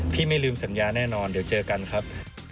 ไม่ลืมสัญญาแน่นอนเดี๋ยวเจอกันครับ